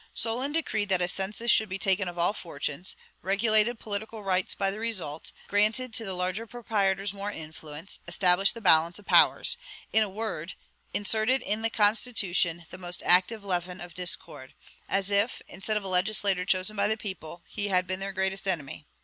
Solon decreed that a census should be taken of all fortunes, regulated political rights by the result, granted to the larger proprietors more influence, established the balance of powers, in a word, inserted in the constitution the most active leaven of discord; as if, instead of a legislator chosen by the people, he had been their greatest enemy.